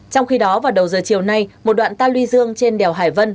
trong khi đó vào đầu giờ chiều nay một đoạn ta luy dương trên đèo hải vân